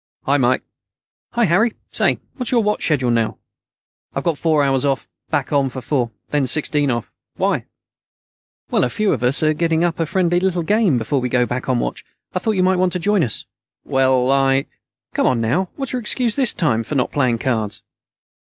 "Hi, Mike." "Hi, Harry. Say, what's your watch schedule now?" "I've got four hours off, back on for four, then sixteen off. Why?" "Well, a few of us are getting up a friendly little game before we go back on watch. I thought you might want to join us." "Well, I " "Come on, now. What's your excuse this time for not playing cards?"